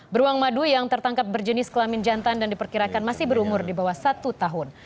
beruang madu yang tertangkap berjenis kelamin jantan dan diperkirakan masih berumur di bawah satu tahun